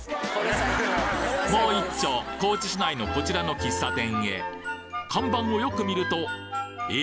もういっちょ高知市内のこちらの喫茶店へ看板をよく見るとえ？